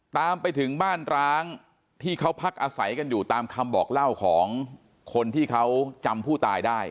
ตามไปถึงบ้านร้างที่เขาพักอาศัยกันอยู่ตามคำบอกเล่าของคนที่เขาจำผู้ตายได้